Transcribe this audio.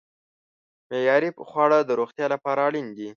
معیاري خواړه د روغتیا لپاره اړین دي.